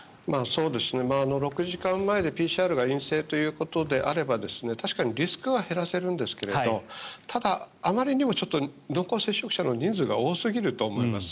６時間前でＰＣＲが陰性であれば確かにリスクは減らせるんですけれどただ、あまりにも濃厚接触者の人数が多すぎると思います。